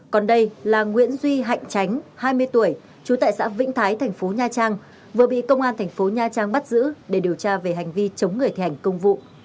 còn đây là nguyễn duy hạnh tránh hai mươi tuổi trú tại xã vĩnh thái thành phố nha trang vừa bị công an thành phố nha trang bắt giữ để điều tra về hành vi chống người thi hành công vụ